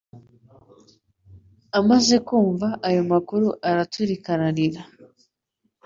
Amaze kumva ayo makuru araturika ararira